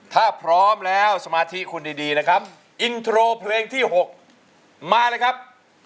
ถ้าพร้อมแล้วสมาธิคุณดีนะครับอินโทรเพลงที่๖มาเลยครับ